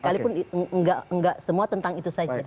sekalipun nggak semua tentang itu saja